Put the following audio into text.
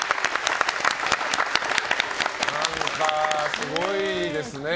何かすごいですね。